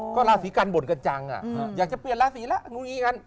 ก็ลาศีกันบ่นกระจังอยากจะเปลี่ยนลาศีล่ะ